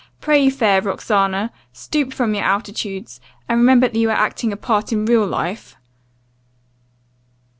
Pray, fair Roxana, stoop from your altitudes, and remember that you are acting a part in real life.